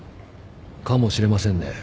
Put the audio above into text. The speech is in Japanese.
かもしれませんね。